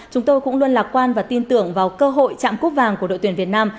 chúng tôi cũng luôn lạc quan và tin tưởng vào cơ hội chạm cúp vàng của đội tuyển việt nam